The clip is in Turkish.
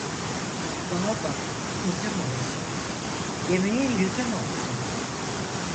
Bağa bak üzüm olsun, yemeye yüzün olsun.